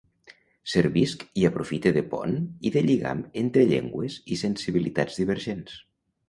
Servisc i aprofite de pont i de lligam entre llengües i sensibilitats divergents.